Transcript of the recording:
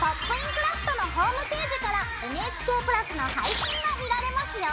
クラフト」のホームページからＮＨＫプラスの配信が見られますよ。